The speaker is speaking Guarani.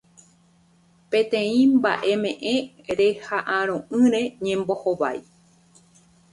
Peteĩ mba'eme'ẽ reha'ãrõ'ỹre ñembohovái